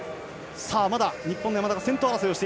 まだ日本の山田は先頭争い。